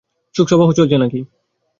শোকসভা চলছে নাকি?